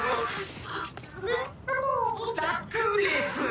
ラクレス。